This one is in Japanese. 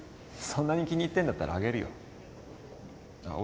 そんなに気に入ってるんだったらあげるよああ